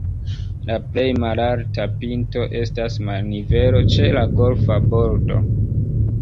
La plej malalta pinto estas marnivelo ĉe la golfa bordo.